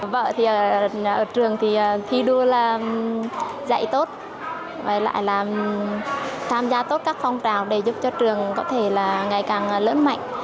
vợ thì ở trường thì thi đua là dạy tốt với lại là tham gia tốt các phong trào để giúp cho trường có thể là ngày càng lớn mạnh